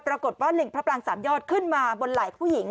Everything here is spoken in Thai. ปรากฏว่าลิงพระปรางสามยอดขึ้นมาบนไหล่ผู้หญิง